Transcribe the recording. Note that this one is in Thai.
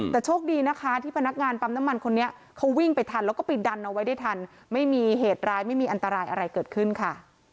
แต่โชคดีนะคะที่พนักงานปั๊มน้ำมันคนนี้เขาวิ่งไปทันแล้วก็ไปดันเอาไว้ได้ทันไม่มีเหตุร้ายไม่มีอันตรายอะไรเกิดขึ้นค่ะ